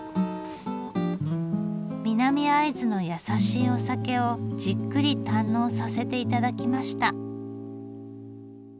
南会津のやさしいお酒をじっくり堪能させていただきました。